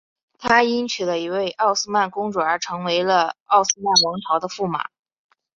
他因娶了一位奥斯曼公主而成为了奥斯曼王朝的驸马。